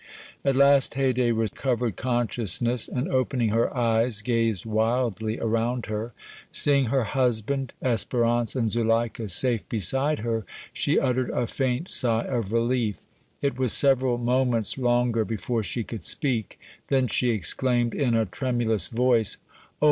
At last Haydée recovered consciousness, and opening her eyes gazed wildly around her; seeing her husband, Espérance and Zuleika safe beside her, she uttered a faint sigh of relief. It was several moments longer before she could speak; then she exclaimed in a tremulous voice: "Oh!